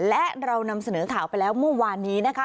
และเรานำเสนอข่าวไปแล้วเมื่อวานนี้นะคะ